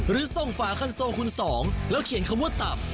หรือส่งฝาคันโซคุณสองแล้วเขียนคำว่าตับ